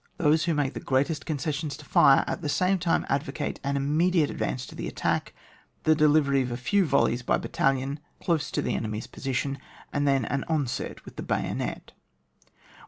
Those who make the greatest concessions to fire, at the same time advo cate an immediate advance to the attack, the delivery of a few volleys by battalion close to the enemy's position, and then an onset with the bayonet 197.